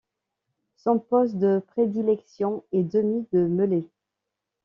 Son poste de prédilection est demi de mêlée.